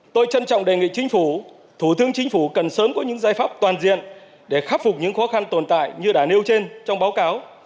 tôi trân trọng đề nghị chính phủ thủ tướng chính phủ cần sớm có những giải pháp toàn diện để khắc phục những khó khăn tồn tại như đã nêu trên trong báo cáo